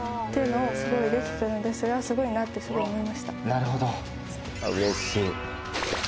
なるほど。